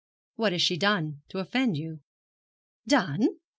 'What has she done to offend you?' 'Done?